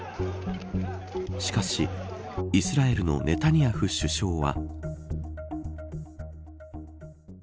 しかしイスラエルのネタニヤフ首相は。